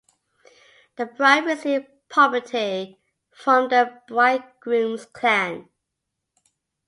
The bride received property from the bridegroom's clan.